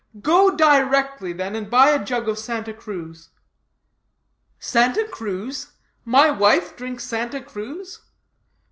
'Go directly, then, and buy a jug of Santa Cruz.' 'Santa Cruz? my wife drink Santa Cruz?'